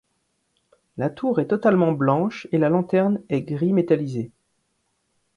La tour est totalement blanche et la lanterne est gris métallisé.